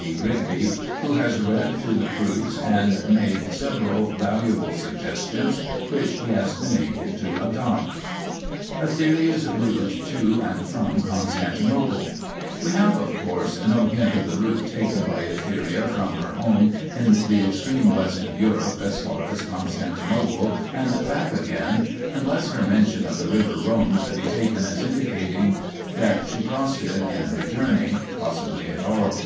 D. Rigby, who has read through the proofs and made several valuable suggestions, which he has been able to adopt, INTRODUCTION xvii 3. ETHERIA'S ROUTE (TO AND FROM CONSTANTINOPLE) We have, of course, no hint of the route taken by Etheria from her home in the extreme west of Europe as far as Constantinople and back again, unless her mention of the river Rhone be taken as indicating that she crossed it in her journey (possibly at Aries).